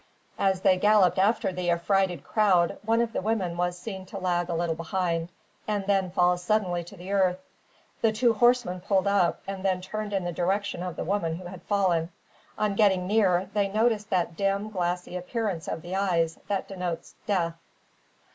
As they galloped after the affrighted crowd, one of the women was seen to lag a little behind, and then fall suddenly to the earth. The two horsemen pulled up, and then turned in the direction of the woman who had fallen. On getting near, they noticed that dim, glassy appearance of the eyes that denotes death.